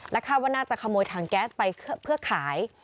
คาดว่าน่าจะขโมยถังแก๊สไปเพื่อขาย